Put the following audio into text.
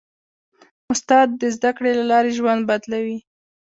استاد د زدهکړې له لارې ژوند بدلوي.